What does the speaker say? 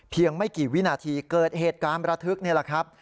ไม่กี่วินาทีเกิดเหตุการณ์ประทึกนี่แหละครับ